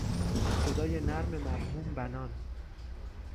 صدای نرم مرحوم بنان